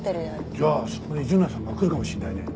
じゃあそこに純奈さんが来るかもしれないね。